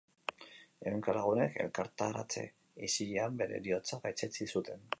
Ehunka lagunek elkartaratse isilean bere heriotza gaitzetsi zuten.